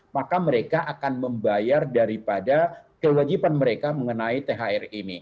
maka mereka akan membayar daripada kewajiban mereka mengenai thr ini